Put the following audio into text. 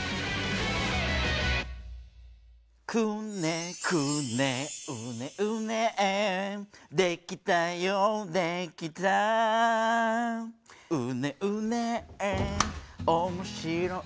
「くねくねうねうねできたよできた」「うねうね面白い」